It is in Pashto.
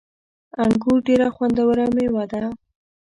انګور ډیره خوندوره میوه ده